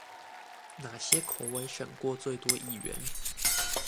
哪些口委審過最多議員